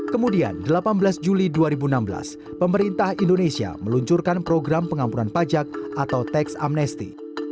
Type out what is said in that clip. kemudian delapan belas juli dua ribu enam belas pemerintah indonesia meluncurkan program pengampunan pajak atau tax amnesti